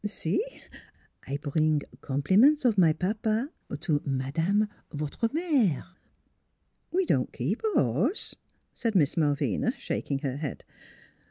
See, I bring compliments of my papa to madame, votre mere." " We don't keep a horse," said Miss Malvina, shaking her head.